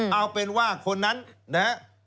เอาเป็นว่าคนนั้นนะฮะ